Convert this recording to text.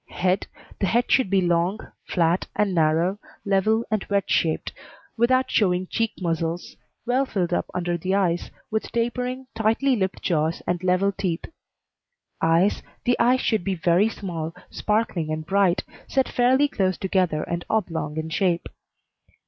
HEAD The head should be long, flat, and narrow, level and wedge shaped, without showing cheek muscles; well filled up under the eyes, with tapering, tightly lipped jaws and level teeth. EYES The eyes should be very small, sparkling, and bright, set fairly close together and oblong in shape.